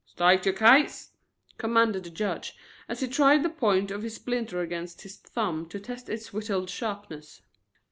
"State yo' case," commanded the judge, as he tried the point of his splinter against his thumb to test its whittled sharpness.